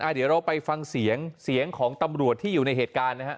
เดี๋ยวเราไปฟังเสียงเสียงของตำรวจที่อยู่ในเหตุการณ์นะครับ